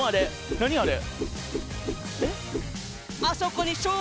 何あれ？